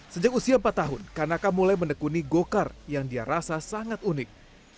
sejak usia empat tahun kanaka mulai menekuni go kart yang dia rasa sangat unik